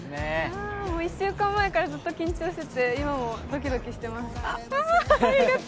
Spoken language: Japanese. もう１週間前からずっと緊張してて、今もドキドキしてます。